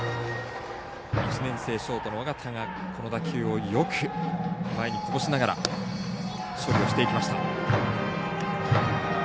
１年生、ショートの緒方がこの打球をよく前にこぼしながら処理をしていきました。